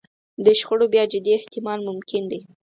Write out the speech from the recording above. د شخړو بیا جدي احتمال ممکن دی.